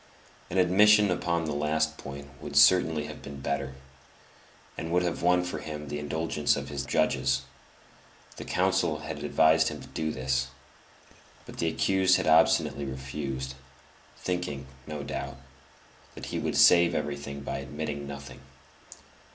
An admission upon this last point would certainly have been better, and would have won for him the indulgence of his judges; the counsel had advised him to do this; but the accused had obstinately refused, thinking, no doubt, that he would save everything by admitting nothing.